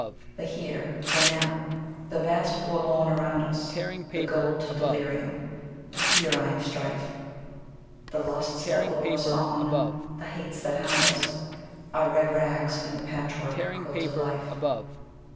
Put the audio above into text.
The Here, the Now, the vast Forlorn around us; The gold delirium, the ferine strife; The lusts that lure us on, the hates that hound us; Our red rags in the patch work quilt of Life.